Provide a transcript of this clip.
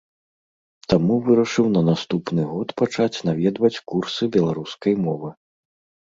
Таму вырашыў на наступны год пачаць наведваць курсы беларускай мовы.